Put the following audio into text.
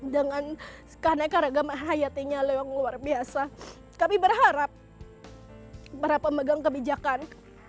dengan sekanekar agama hayatnya luar biasa kami berharap para pemegang kebijakan